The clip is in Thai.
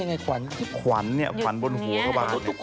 เคยเห็นได้สองขวัญอันนี้สามขวัญอาจจะมาก